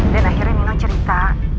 dan akhirnya nino cerita